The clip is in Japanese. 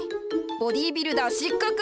ボディービルダー失格！